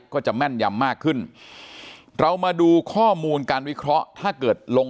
ก็จะแม่นยำมากขึ้นเรามาดูข้อมูลการวิเคราะห์ถ้าเกิดลง